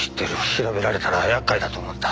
調べられたら厄介だと思った。